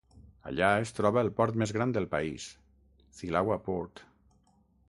Allà es troba el port més gran del país, Thilawa Port.